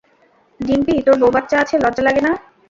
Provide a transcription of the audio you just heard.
ডিম্পি, তোর বৌ বাচ্চা আছে, লজ্জা লাগে না।